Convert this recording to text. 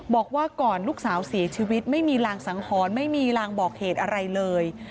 บอกว่าก่อนลูกสาวเสียชีวิตไม่มีรางสังหรณ์ไม่มีรางบอกเหตุอะไรเลย